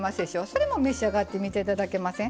それも召し上がってみて頂けません？